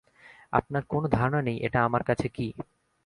আপনার কোনো ধারণা নেই এটা আমার কাছে কি।